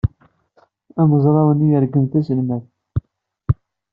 Amezraw-nni yergem taselmadt.